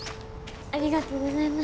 ありがとうございます。